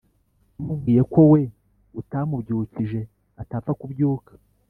yamubwiye ko we utamubyukije atapfa kubyuka